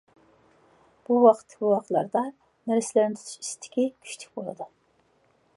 بۇ ۋاقىتتىكى بوۋاقلاردا نەرسىلەرنى تۇتۇش ئىستىكى كۈچلۈك بولىدۇ.